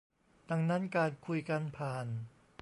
ดังนั้นการคุยกันผ่าน